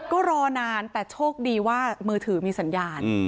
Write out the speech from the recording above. ก็รอนานแต่โชคดีว่ามือถือมีสัญญาณ